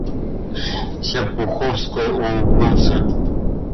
Серпуховской улыбнулся.